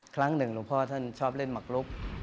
ครั้งหนึ่งหลวงพ่อท่านชอบเล่นหมักลุก